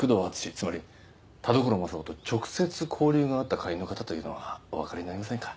つまり田所柾雄と直接交流のあった会員の方というのはおわかりになりませんか？